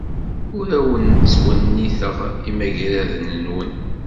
Ur awen-ttwenniteɣ imagraden-nwen.